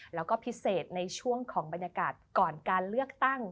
แล้วก็พิเศษในช่วงของบรรยากาศก่อนการเลือกตั้ง